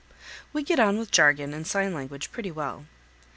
We get on with jargon and sign language pretty well.